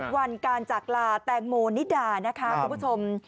วันการจากลาแตงโมนิดานะคะคุณผู้ชม